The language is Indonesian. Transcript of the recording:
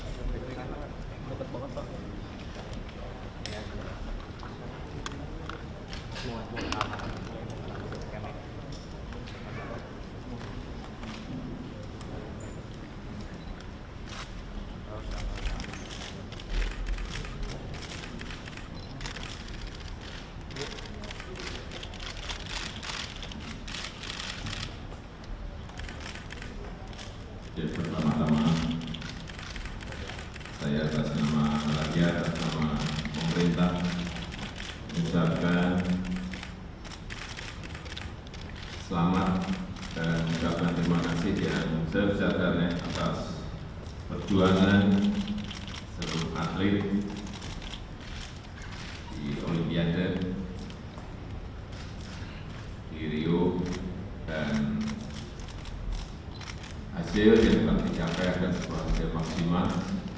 seluruh atlet di olimpiade di rio dan hasil yang akan mencapai akan suatu hasil maksimal